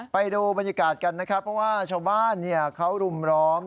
ไปดูบรรยากาศกันนะครับเพราะว่าชาวบ้านเขารุมร้อม